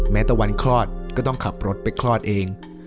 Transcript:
ตะวันคลอดก็ต้องขับรถไปคลอดเอง